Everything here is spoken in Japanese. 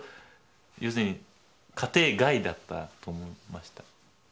要するに家庭外だったと思いました。